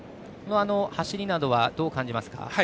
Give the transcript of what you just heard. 走りなどは、どう感じますか？